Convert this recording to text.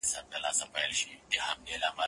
زه به سبا لوبه کوم!.